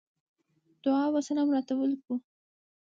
دعا وسلام راته وليکلو.